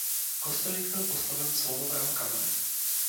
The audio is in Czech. Kostelík byl postaven z lomového kamene.